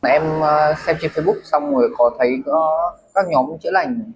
em xem trên facebook xong rồi có thấy có các nhóm chữa lành